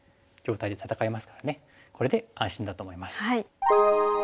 これで安心だと思います。